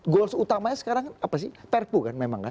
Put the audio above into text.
goal utamanya sekarang apa sih perpu kan memang nggak